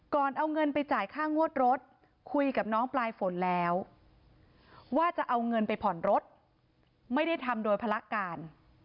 ก่อนเอาเงินไปจ่ายค่างวดรถคุยกับน้องปลายฝนแล้วว่าจะเอาเงินไปผ่อนรถไม่ได้ทำโดยภาระการ